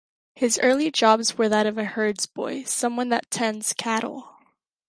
His early jobs were that of a herdsboy, someone that tends cattle.